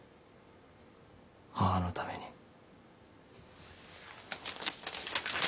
母のために。